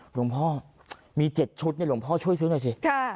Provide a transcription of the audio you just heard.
หลวงพ่อมี๗ชุดเนี่ยหลวงพ่อช่วยซื้อหน่อยสิ